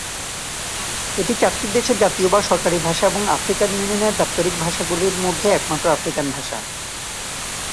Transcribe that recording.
এটি চারটি দেশের জাতীয় বা সরকারী ভাষা এবং আফ্রিকান ইউনিয়নের দাপ্তরিক ভাষাগুলির মধ্যে একমাত্র আফ্রিকান ভাষা।